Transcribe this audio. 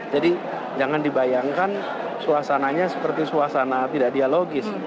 jadi jangan dibayangkan suasananya seperti suasana tidak dialogis